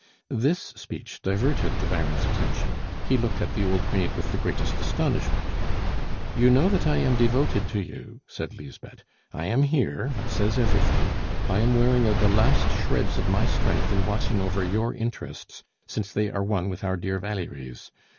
This speech diverted the Baron's attention; he looked at the old maid with the greatest astonishment. "You know that I am devoted to you," said Lisbeth. "I am here, that says everything. I am wearing out the last shreds of my strength in watching over your interests, since they are one with our dear Valerie's.